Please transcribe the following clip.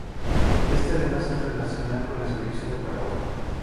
Es además internacional con la selección de Paraguay.